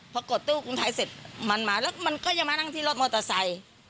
พอกดตู้กรุงไทยเสร็จมันมาแล้วมันก็ยังมานั่งที่รถมอเตอร์ไซค์